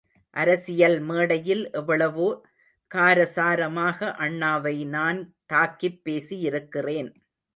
அரசியல் மேடையில் எவ்வளவோ காரசாரமாக அண்ணாவை நான் தாக்கிப் பேசியிருக்கிறேன்.